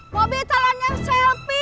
mau beli talan yang selvi